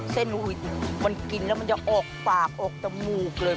เส้นอุดมันกินแล้วมันจะออกปากออกจมูกเลย